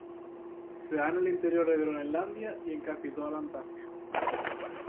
Se da en el interior de Groenlandia y en casi toda la Antártida.